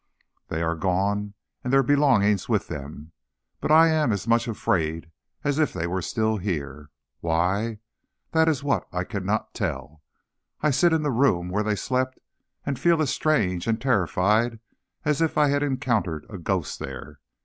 They are gone, and their belongings with them; but I am as much afraid as if they were still here. Why? That is what I cannot tell. I sit in the room where they slept, and feel as strange and terrified as if I had encountered a ghost there.